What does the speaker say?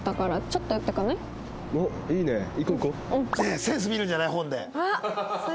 センス見るんじゃない？